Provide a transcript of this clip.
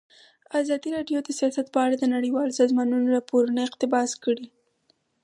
ازادي راډیو د سیاست په اړه د نړیوالو سازمانونو راپورونه اقتباس کړي.